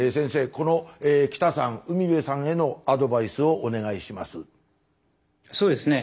この北さん海辺さんへのアドバイスをお願いします。